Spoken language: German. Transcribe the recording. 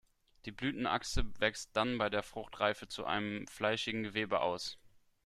Die Blütenachse wächst dann bei der Fruchtreife zu einem fleischigen Gewebe aus.